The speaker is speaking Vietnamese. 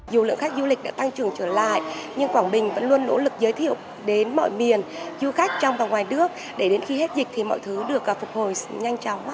dù lượng khách du lịch đã tăng trưởng trở lại nhưng quảng bình vẫn luôn nỗ lực giới thiệu đến mọi miền du khách trong và ngoài nước để đến khi hết dịch thì mọi thứ được phục hồi nhanh chóng